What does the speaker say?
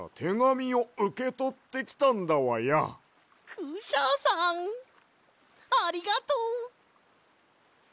クシャさんありがとう！